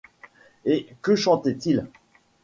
Et que chantait-il ?